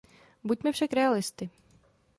Buďme však realisty.